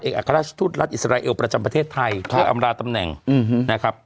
อัครราชทูตรัฐอิสราเอลประจำประเทศไทยเพื่ออำราตำแหน่งนะครับ